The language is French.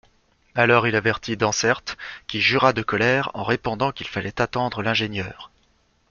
Alors, il avertit Dansaert, qui jura de colère, en répondant qu'il fallait attendre l'ingénieur.